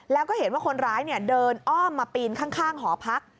แล้วก็เห็นว่าคนร้ายเดินอ้อมมาปีนข้างหอพัก